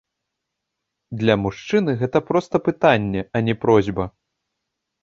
Для мужчыны гэта проста пытанне, а не просьба.